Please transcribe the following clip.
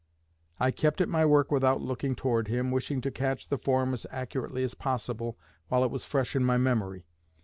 I kept at my work without looking toward him, wishing to catch the form as accurately as possible while it was fresh in my memory.